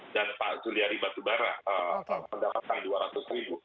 dan pak juliari batubara mendapatkan dua ratus ribu